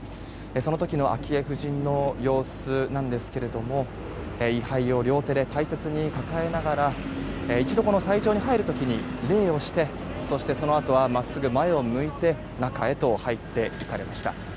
その時の昭恵夫人の様子なんですけれども位牌を両手で大切に抱えながら一度、斎場に入る時に礼をしてそして、そのあとは真っすぐ前を向いて中へと入って行かれました。